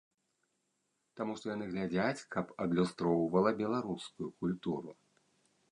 Таму што яны глядзяць, каб адлюстроўвала беларускую культуру.